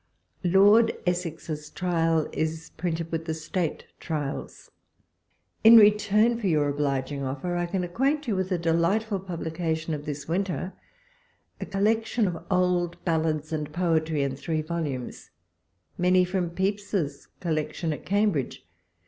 Lord Essex's trial is printed with the State Trials. In return for your obliging offer, I can acquaint you with a delightful publication of this winter, A Collection of Old Ballads and Poetry, in three volumes, many from Pepys's Collection at Cambridge.